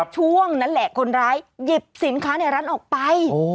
ช่วงนั้นแหละคนร้ายหยิบสินค้าในร้านออกไป